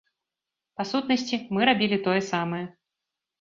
Па сутнасці, мы рабілі тое самае.